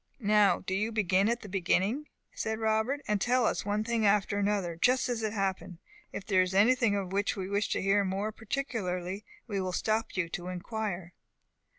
"Now do you begin at the beginning," said Robert, "and tell us one thing after another, just as it happened. If there is anything of which we wish to hear more particularly, we will stop you to inquire."